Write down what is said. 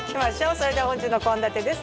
それでは本日の献立です